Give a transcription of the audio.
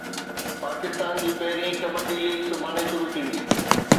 پاڪستان جي پهرين ڪبڊي ليگ سڀاڻي شروع ٿيندي